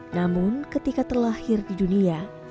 namun ketika terlahir di dunia